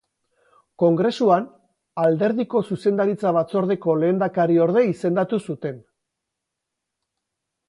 Kongresuan, alderdiko Zuzendaritza-batzordeko lehendakariorde izendatu zuten.